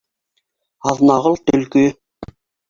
Аҙнағол — төлкө